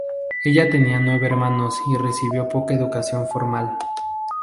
Ella tenía nueve hermanos y recibió poca educación formal.